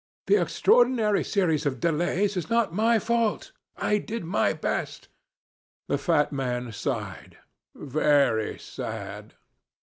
'The extraordinary series of delays is not my fault. I did my possible.' The fat man sighed, 'Very sad.'